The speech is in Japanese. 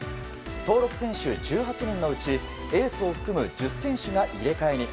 登録選手１８人のうちエースを含む１０選手が入れ替えに。